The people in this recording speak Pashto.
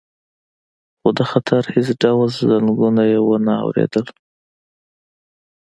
خو د خطر هیڅ ډول زنګونه یې ونه اوریدل